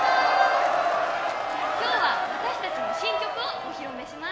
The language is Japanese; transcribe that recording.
今日は私たちの新曲をお披露目します